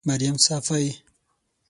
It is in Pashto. مريم صافۍ